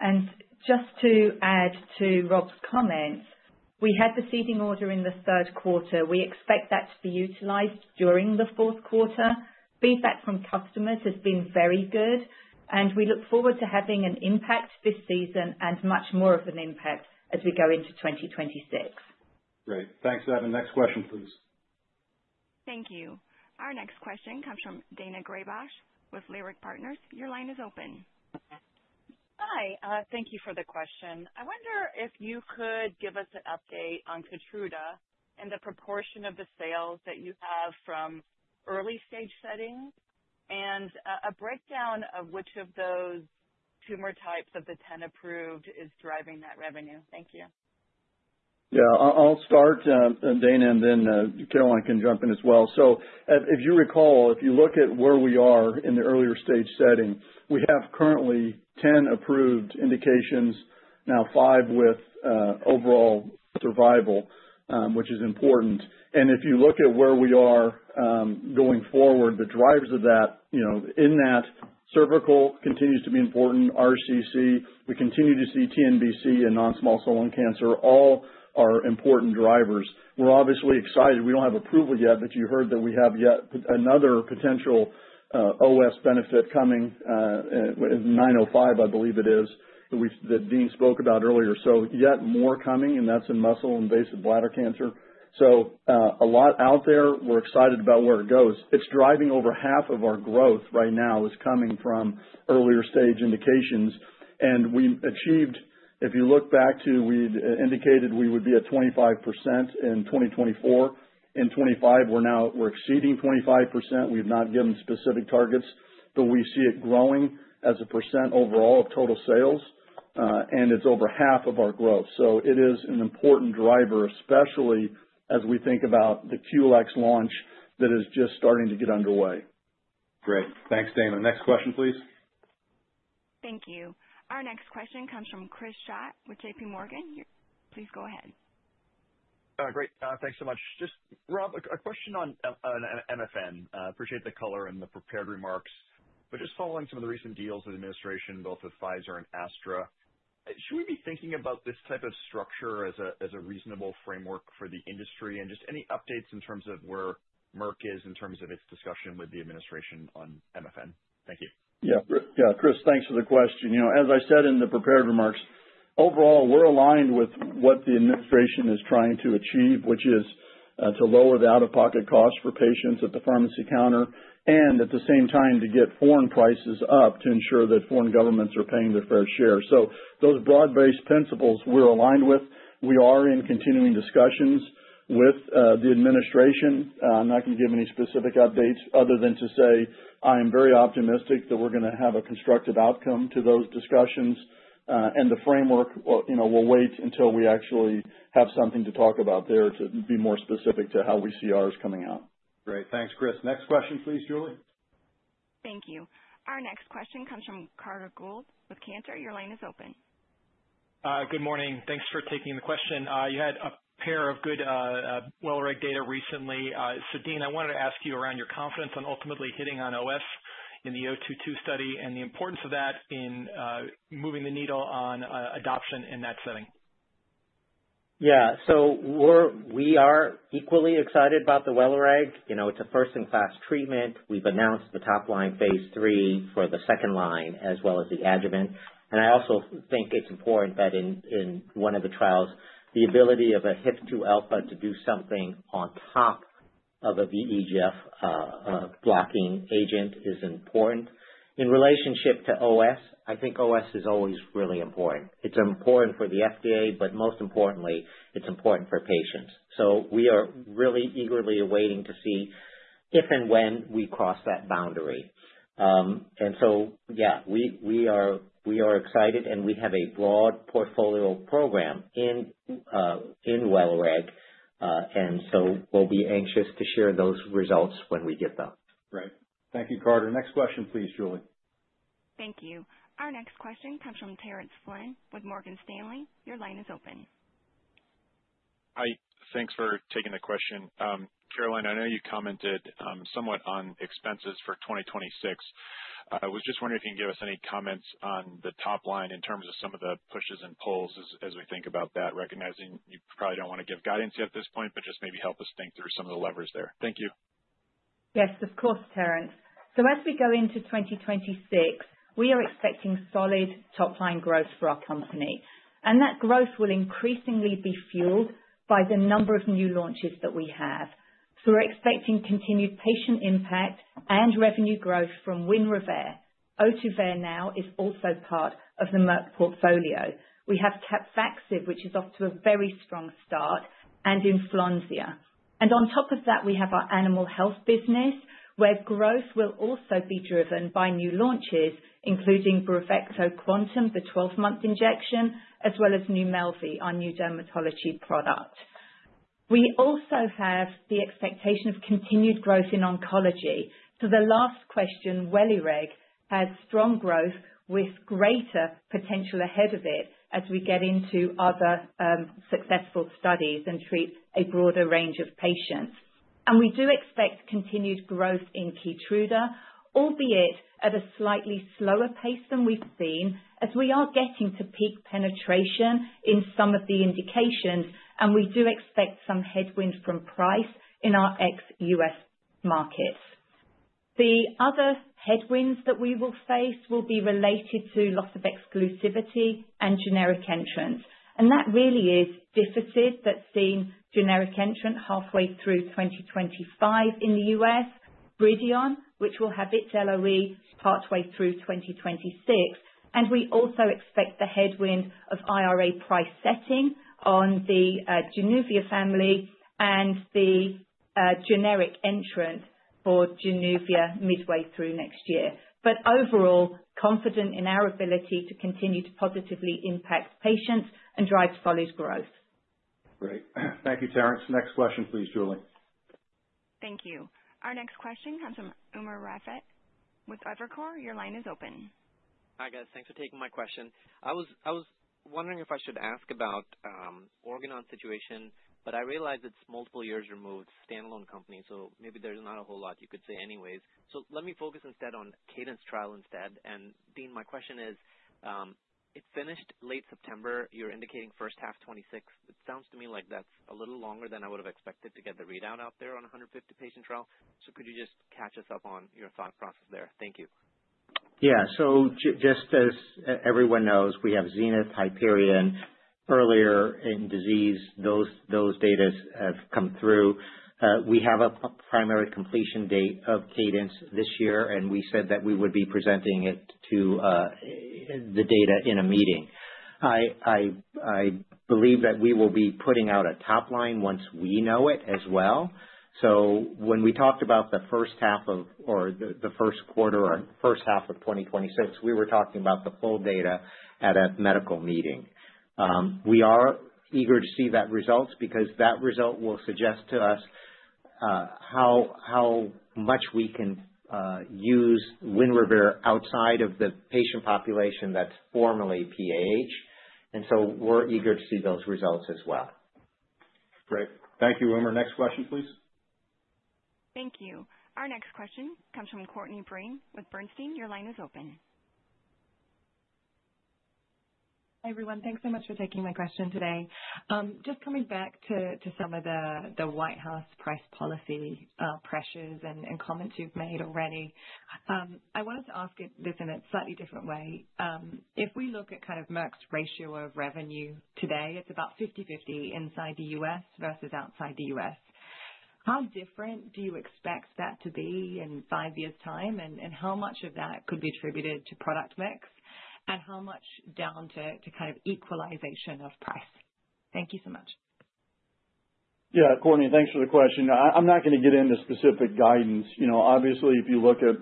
S4: And just to add to Rob's comments, we had the seeding order in the third quarter. We expect that to be utilized during the fourth quarter. Feedback from customers has been very good, and we look forward to having an impact this season and much more of an impact as we go into 2026.
S2: Great. Thanks, Evan. Next question, please.
S1: Thank you. Our next question comes from Daina Graybosch with Leerink Partners. Your line is open.
S10: Hi. Thank you for the question. I wonder if you could give us an update on Keytruda and the proportion of the sales that you have from early stage setting and a breakdown of which of those tumor types of the 10 approved is driving that revenue. Thank you.
S3: Yeah. I'll start, Daina, and then Caroline can jump in as well. So if you recall, if you look at where we are in the earlier stage setting, we have currently 10 approved indications, now five with overall survival, which is important. If you look at where we are going forward, the drivers of that in that cervical continue to be important, RCC. We continue to see TNBC and non-small cell lung cancer all are important drivers. We're obviously excited. We don't have approval yet, but you heard that we have yet another potential OS benefit coming with 905, I believe it is, that Dean spoke about earlier. So yet more coming, and that's in muscle-invasive bladder cancer. So a lot out there. We're excited about where it goes. It's driving over half of our growth right now is coming from earlier stage indications. And we achieved, if you look back to, we indicated we would be at 25% in 2024. In 2025, we're exceeding 25%. We've not given specific targets, but we see it growing as a percent overall of total sales, and it's over half of our growth. So it is an important driver, especially as we think about the QLex launch that is just starting to get underway.
S2: Great. Thanks, Dana. Next question, please.
S1: Thank you. Our next question comes from Chris Schott with JPMorgan. Please go ahead.
S11: Great. Thanks so much. Just, Rob, a question on MFN. I appreciate the color and the prepared remarks. But just following some of the recent deals with administration, both with Pfizer and Astra, should we be thinking about this type of structure as a reasonable framework for the industry and just any updates in terms of where Merck is in terms of its discussion with the administration on MFN? Thank you.
S3: Yeah. Yeah. Chris, thanks for the question. As I said in the prepared remarks, overall, we're aligned with what the administration is trying to achieve, which is to lower the out-of-pocket cost for patients at the pharmacy counter and, at the same time, to get foreign prices up to ensure that foreign governments are paying their fair share. So those broad-based principles, we're aligned with. We are in continuing discussions with the administration. I'm not going to give any specific updates other than to say I am very optimistic that we're going to have a constructive outcome to those discussions, and we'll wait until we actually have something to talk about there to be more specific to how we see ours coming out.
S2: Great. Thanks, Chris. Next question, please, Julie.
S1: Thank you. Our next question comes from Carter Gould with Cantor. Your line is open.
S12: Good morning. Thanks for taking the question. You had a pair of good Welireg data recently. So, Dean, I wanted to ask you around your confidence on ultimately hitting on OS in the 022 study and the importance of that in moving the needle on adoption in that setting.
S5: Yeah. So we are equally excited about the Welireg. It's a first-in-class treatment. We've announced the top-line phase III for the second line as well as the adjuvant. And I also think it's important that in one of the trials, the ability of a HIF-2 alpha to do something on top of a VEGF blocking agent is important. In relationship to OS, I think OS is always really important. It's important for the FDA, but most importantly, it's important for patients. So we are really eagerly awaiting to see if and when we cross that boundary. And so, yeah, we are excited, and we have a broad portfolio program in Welireg, and so we'll be anxious to share those results when we get them.
S2: Great. Thank you, Carter. Next question, please, Julie.
S1: Thank you. Our next question comes from Terence Flynn with Morgan Stanley. Your line is open.
S13: Hi. Thanks for taking the question. Caroline, I know you commented somewhat on expenses for 2026. I was just wondering if you can give us any comments on the top line in terms of some of the pushes and pulls as we think about that, recognizing you probably don't want to give guidance yet at this point, but just maybe help us think through some of the levers there. Thank you.
S4: Yes, of course, Terence. So as we go into 2026, we are expecting solid top-line growth for our company. And that growth will increasingly be fueled by the number of new launches that we have. So we're expecting continued patient impact and revenue growth from Winrevair. Ohtuvayre now is also part of the Merck portfolio. We have Capvaxive, which is off to a very strong start, and Enflonsia. And on top of that, we have our animal health business, where growth will also be driven by new launches, including Bravecto Quantum, the 12-month injection, as well as Numelvi, our new dermatology product. We also have the expectation of continued growth in oncology. So the last question, Welireg has strong growth with greater potential ahead of it as we get into other successful studies and treat a broader range of patients. And we do expect continued growth in Keytruda, albeit at a slightly slower pace than we've seen, as we are getting to peak penetration in some of the indications, and we do expect some headwind from price in our ex-U.S. markets. The other headwinds that we will face will be related to loss of exclusivity and generic entrants. And that really is Dificid that's seen generic entrant halfway through 2025 in the U.S., Bridion, which will have its LOE partway through 2026. We also expect the headwind of IRA price setting on the Januvia family and the generic entrant for Januvia midway through next year. But overall, confident in our ability to continue to positively impact patients and drive portfolio's growth.
S2: Great. Thank you, Terence. Next question, please, Julie.
S1: Thank you. Our next question comes from Umer Raffat with Evercore. Your line is open.
S14: Hi, guys. Thanks for taking my question. I was wondering if I should ask about the Organon situation, but I realize it's multiple years removed, standalone company, so maybe there's not a whole lot you could say anyways. So let me focus instead on CADENCE trial instead. Dean, my question is, it finished late September. You're indicating first half 2026. It sounds to me like that's a little longer than I would have expected to get the readout out there on a 150-patient trial. So could you just catch us up on your thought process there? Thank you.
S5: Yeah. So just as everyone knows, we have ZENITH, HYPERION earlier in disease. Those data have come through. We have a primary completion date of CADENCE this year, and we said that we would be presenting the data in a meeting. I believe that we will be putting out a top line once we know it as well. So when we talked about the first half of or the first quarter or first half of 2026, we were talking about the full data at a medical meeting. We are eager to see that result because that result will suggest to us how much we can use Winrevair outside of the patient population that's for PAH. And so we're eager to see those results as well.
S2: Great. Thank you, Umer.
S1: Thank you. Our next question comes from Courtney Breen with Bernstein. Your line is open.
S15: Hi, everyone. Thanks so much for taking my question today. Just coming back to some of the White House price policy pressures and comments you've made already, I wanted to ask this in a slightly different way. If we look at kind of Merck's ratio of revenue today, it's about 50/50 inside the U.S. versus outside the U.S. How different do you expect that to be in five years' time, and how much of that could be attributed to product mix, and how much down to kind of equalization of price? Thank you so much.
S3: Yeah. Courtney, thanks for the question. I'm not going to get into specific guidance. Obviously, if you look at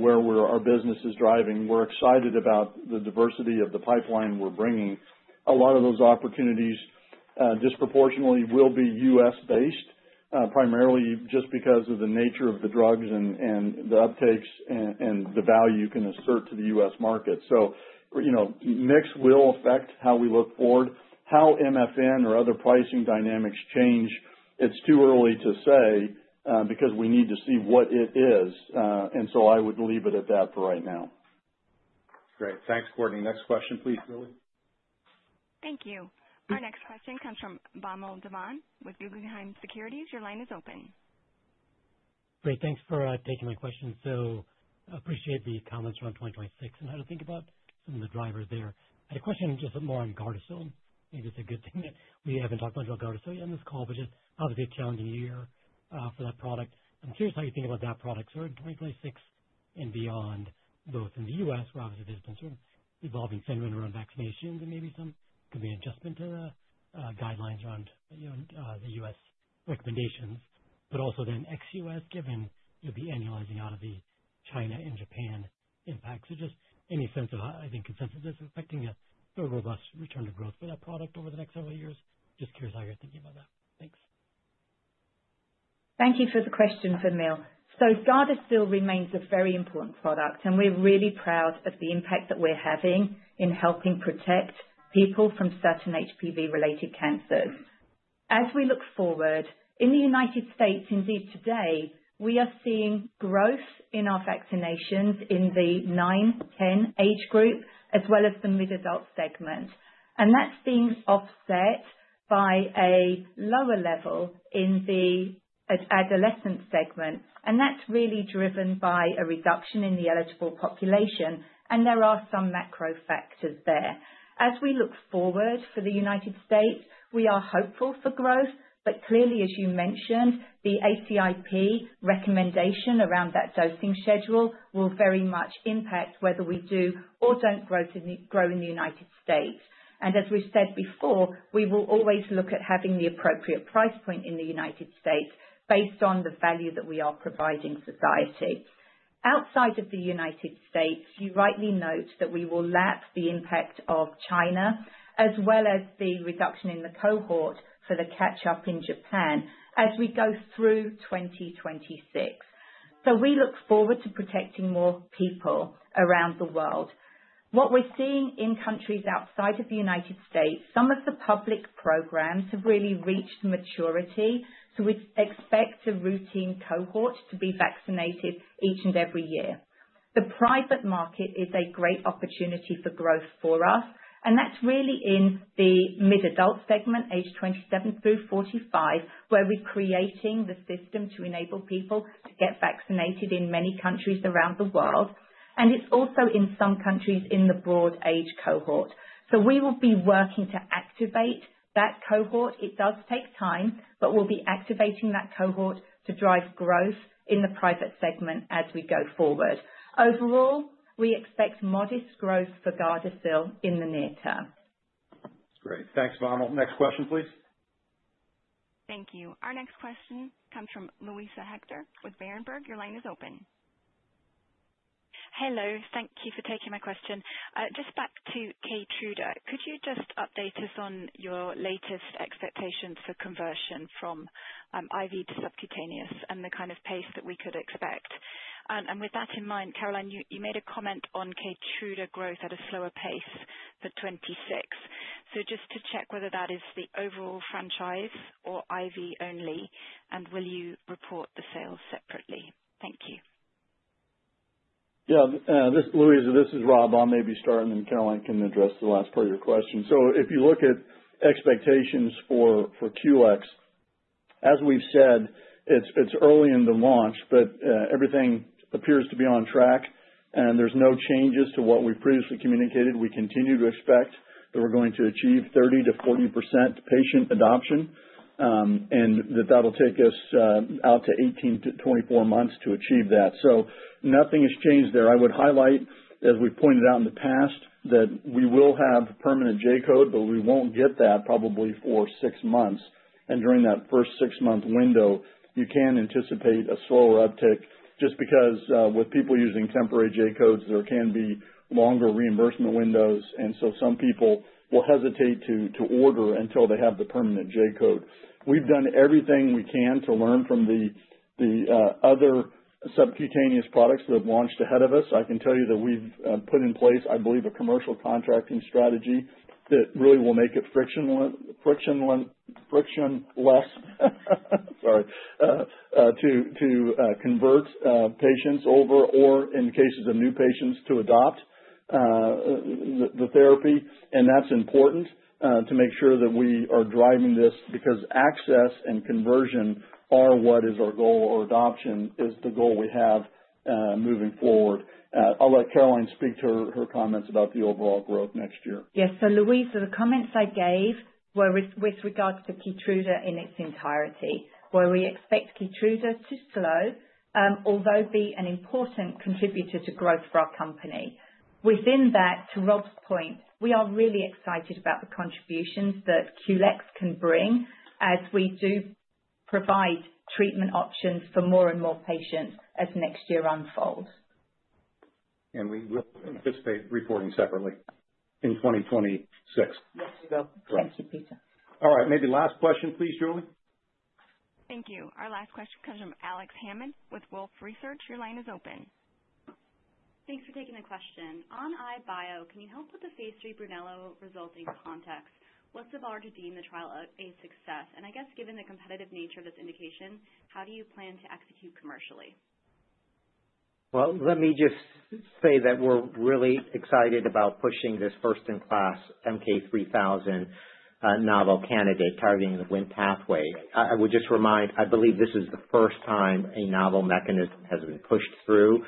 S3: where our business is driving, we're excited about the diversity of the pipeline we're bringing. A lot of those opportunities disproportionately will be U.S.-based, primarily just because of the nature of the drugs and the uptakes and the value you can assert to the U.S. market. So mix will affect how we look forward. How MFN or other pricing dynamics change, it's too early to say because we need to see what it is. And so I would leave it at that for right now.
S2: Great. Thanks, Courtney. Next question, please, Julie.
S1: Thank you. Our next question comes from Vamil Divan with Guggenheim Securities. Your line is open.
S16: Great. Thanks for taking my question. So I appreciate the comments around 2026 and how to think about some of the drivers there. I had a question just more on Gardasil. Maybe it's a good thing that we haven't talked much about Gardasil yet on this call, but just obviously a challenging year for that product. I'm curious how you think about that product sort of in 2026 and beyond, both in the U.S., where obviously there's been sort of evolving sentiment around vaccinations and maybe some could be an adjustment to the guidelines around the U.S. recommendations, but also then ex-U.S., given the annualizing out of the China and Japan impact. So just any sense of, I think, consensus that's affecting a sort of robust return to growth for that product over the next several years. Just curious how you're thinking about that. Thanks.
S4: Thank you for the question, Vamil. Gardasil remains a very important product, and we're really proud of the impact that we're having in helping protect people from certain HPV-related cancers. As we look forward, in the United States, indeed today, we are seeing growth in our vaccinations in the nine, 10 age group as well as the mid-adult segment. And that's being offset by a lower level in the adolescent segment. And that's really driven by a reduction in the eligible population. And there are some macro factors there. As we look forward for the United States, we are hopeful for growth, but clearly, as you mentioned, the ACIP recommendation around that dosing schedule will very much impact whether we do or don't grow in the United States, and as we've said before, we will always look at having the appropriate price point in the United States based on the value that we are providing society. Outside of the United States, you rightly note that we will lap the impact of China as well as the reduction in the cohort for the catch-up in Japan as we go through 2026, so we look forward to protecting more people around the world. What we're seeing in countries outside of the United States, some of the public programs have really reached maturity, so we expect a routine cohort to be vaccinated each and every year. The private market is a great opportunity for growth for us, and that's really in the mid-adult segment, age 27 through 45, where we're creating the system to enable people to get vaccinated in many countries around the world, and it's also in some countries in the broad age cohort, so we will be working to activate that cohort. It does take time, but we'll be activating that cohort to drive growth in the private segment as we go forward. Overall, we expect modest growth for Gardasil in the near term.
S2: Great. Thanks, Vamil. Next question, please.
S1: Thank you. Our next question comes from Luisa Hector with Berenberg. Your line is open.
S17: Hello. Thank you for taking my question. Just back to Keytruda. Could you just update us on your latest expectations for conversion from IV to subcutaneous and the kind of pace that we could expect? With that in mind, Caroline, you made a comment on Keytruda growth at a slower pace for 2026. So just to check whether that is the overall franchise or IV only, and will you report the sales separately? Thank you.
S3: Yeah. This is Luisa. This is Rob. I'll maybe start, and then Caroline can address the last part of your question. So if you look at expectations for QLex, as we've said, it's early in the launch, but everything appears to be on track. And there's no changes to what we've previously communicated. We continue to expect that we're going to achieve 30%-40% patient adoption and that that'll take us out to 18-24 months to achieve that. Nothing has changed there. I would highlight, as we've pointed out in the past, that we will have permanent J-code, but we won't get that probably for six months. And during that first six-month window, you can anticipate a slower uptick just because with people using temporary J-codes, there can be longer reimbursement windows. And so some people will hesitate to order until they have the permanent J-code. We've done everything we can to learn from the other subcutaneous products that have launched ahead of us. I can tell you that we've put in place, I believe, a commercial contracting strategy that really will make it frictionless, sorry, to convert patients over or, in cases of new patients, to adopt the therapy. That's important to make sure that we are driving this because access and conversion are what is our goal, or adoption is the goal we have moving forward. I'll let Caroline speak to her comments about the overall growth next year.
S4: Yes. So Luisa, the comments I gave were with regards to Keytruda in its entirety, where we expect Keytruda to slow, although be an important contributor to growth for our company. Within that, to Rob's point, we are really excited about the contributions that KEYTRUDA QLEX can bring as we do provide treatment options for more and more patients as next year unfolds.
S2: We will anticipate reporting separately in 2026. Yes, we will.
S4: Thank you, Peter.
S2: All right. Maybe last question, please, Julie. Thank you.
S1: Our last question comes from Alex Hammond with Wolfe Research. Your line is open.
S18: Thanks for taking the question. On EyeBio, can you help with the phase III Brunello trial context? What's the bar to deem the trial a success? And I guess, given the competitive nature of this indication, how do you plan to execute commercially?
S5: Well, let me just say that we're really excited about pushing this first-in-class MK-3000 novel candidate targeting the Wnt pathway. I would just remind, I believe this is the first time a novel mechanism has been pushed through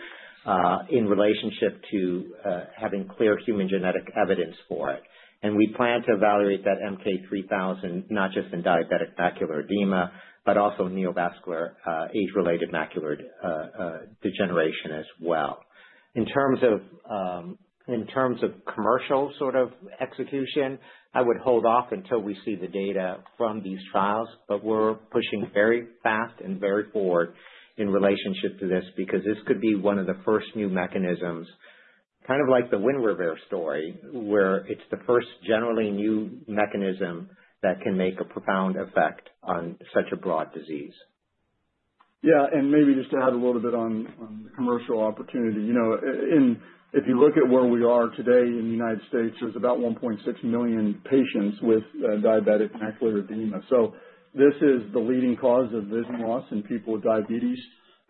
S5: in relationship to having clear human genetic evidence for it. And we plan to evaluate that MK-3000 not just in diabetic macular edema, but also neovascular age-related macular degeneration as well. In terms of commercial sort of execution, I would hold off until we see the data from these trials, but we're pushing very fast and very forward in relationship to this because this could be one of the first new mechanisms, kind of like the Winrevair story, where it's the first generally new mechanism that can make a profound effect on such a broad disease.
S3: Yeah, and maybe just to add a little bit on the commercial opportunity. If you look at where we are today in the United States, there's about 1.6 million patients with diabetic macular edema. So this is the leading cause of vision loss in people with diabetes.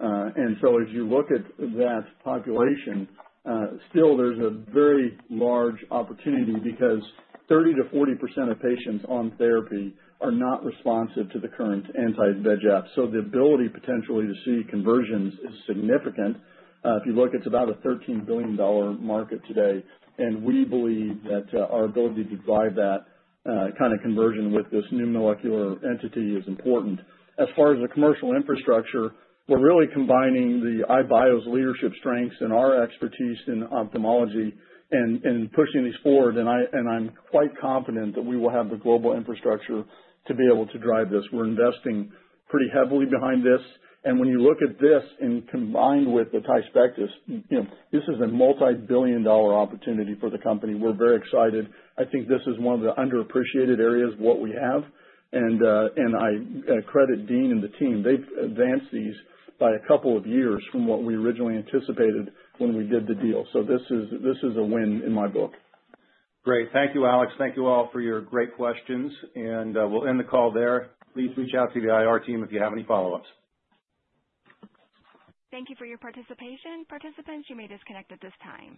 S3: And so as you look at that population, still, there's a very large opportunity because 30%-40% of patients on therapy are not responsive to the current anti-VEGF. The ability potentially to see conversions is significant. If you look, it's about a $13 billion market today. And we believe that our ability to drive that kind of conversion with this new molecular entity is important. As far as the commercial infrastructure, we're really combining the EyeBio's leadership strengths and our expertise in ophthalmology and pushing these forward. And I'm quite confident that we will have the global infrastructure to be able to drive this. We're investing pretty heavily behind this. And when you look at this combined with the bispecifics, this is a multi-billion-dollar opportunity for the company. We're very excited. I think this is one of the underappreciated areas of what we have. And I credit Dean and the team. They've advanced these by a couple of years from what we originally anticipated when we did the deal. So this is a win in my book.
S2: Great. Thank you, Alex. Thank you all for your great questions. And we'll end the call there. Please reach out to the IR team if you have any follow-ups.
S1: Thank you for your participation. Participants, you may disconnect at this time.